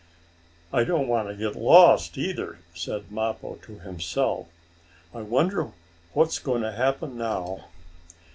"I don't want to get lost, either," said Mappo to himself. "I wonder what is going to happen now."